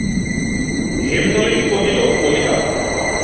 হেমনলিনী কহিল, কলিকাতায়।